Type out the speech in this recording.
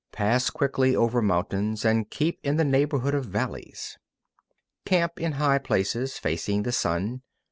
Pass quickly over mountains, and keep in the neighbourhood of valleys. 2. Camp in high places, facing the sun.